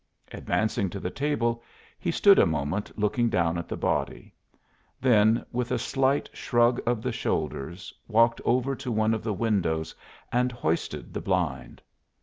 Advancing to the table, he stood a moment looking down at the body; then with a slight shrug of the shoulders walked over to one of the windows and hoisted the blind.